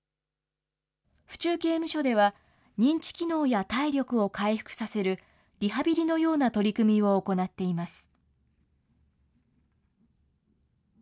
府中刑務所では、認知機能や体力を回復させるリハビリのような取り組みを行っています。